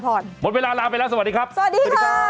โปรดติดตามตอนต่อไป